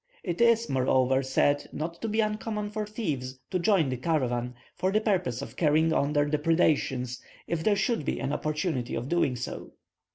It is, moreover, said not to be uncommon for thieves to join the caravan, for the purpose of carrying on their depredations, if there should be an opportunity of doing so.